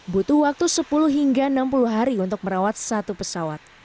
butuh waktu sepuluh hingga enam puluh hari untuk merawat satu pesawat